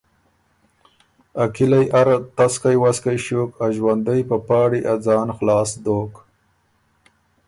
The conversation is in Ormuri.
ا کِلئ اره تسکئ وسکئ ݭیوک، ا ݫوندئ په پاړی ا ځان خلاص دوک۔